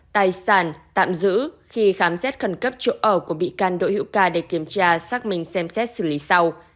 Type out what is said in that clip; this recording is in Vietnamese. tài sản tạm giữ khi khám xét khẩn cấp chỗ ở của bị can đỗ hữu ca để kiểm tra xác minh xem xét xử lý sau